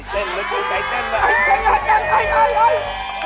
ใจเต้นระดูกใจเต้นหละ